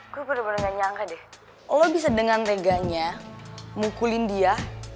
gue pernah gak nyangka deh lo bisa dengan teganya mukulin dia